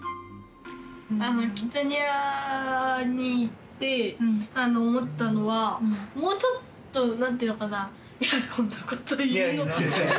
キッザニアに行って思ったのはもうちょっと何ていうのかないやこんなこと言うのは。